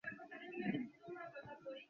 অর্জুনের গুরু প্রাক্তন গোয়েন্দা অমল সোম।